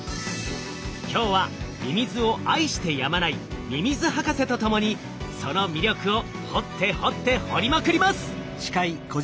今日はミミズを愛してやまないミミズ博士と共にその魅力を掘って掘って掘りまくります！